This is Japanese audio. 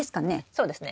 そうですね。